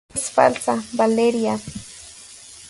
es falsa. Valeria.